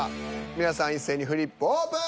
皆さん一斉にフリップオープン！